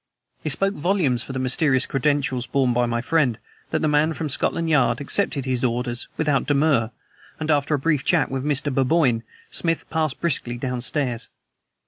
It spoke volumes for the mysterious credentials borne by my friend that the man from Scotland Yard accepted his orders without demur, and, after a brief chat with Mr. Burboyne, Smith passed briskly downstairs.